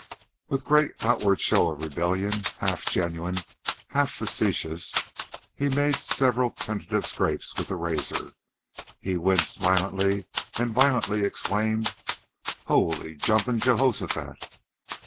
With great outward show of rebellion, half genuine, half facetious, he made several tentative scrapes with the razor. He winced violently, and violently exclaimed: "Holy jumping Jehosaphat!"